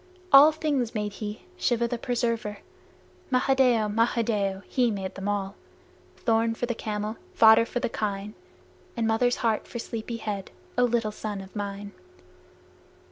All things made he Shiva the Preserver. Mahadeo! Mahadeo! He made all, Thorn for the camel, fodder for the kine, And mother's heart for sleepy head, O little son of mine!